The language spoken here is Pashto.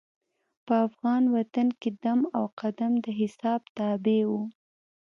په افغان وطن کې دم او قدم د حساب تابع وو.